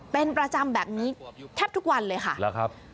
เป็นประจำแบบนี้แทบทุกวันเลยค่ะ